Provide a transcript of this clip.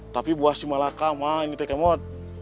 tapi buah si malaka mah ini teh ke mod